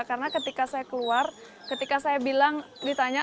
karena ketika saya keluar ketika saya ditanya